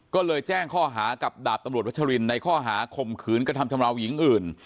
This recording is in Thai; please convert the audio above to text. ก็เลยแจ้งข้อหากับดาบตำรวจวัชรินในข้อหาข่มขืนกระทำชำราวหญิงอื่น